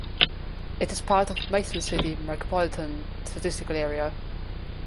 It is part of the Mason City Micropolitan Statistical Area.